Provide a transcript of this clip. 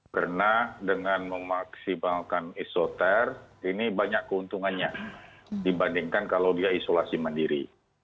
karena dengan memaksimalkan esoter ini banyak keuntungannya dibandingkan kalau dia isolasi mandiri